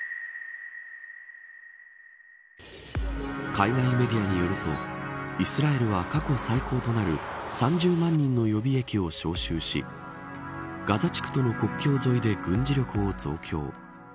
海外メディアによるとイスラエルは過去最高となる３０万人の予備役を招集しガザ地区との国境沿いで軍事力を増強。